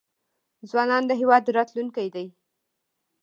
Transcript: ځوانان د هیواد راتلونکی دی